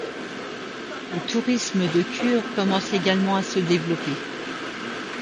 Le tourisme de cure commence également à se développer.